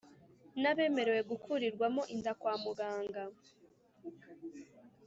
n’abemerewe gukurirwamo inda kwa muganga